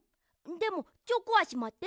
でもチョコはしまって。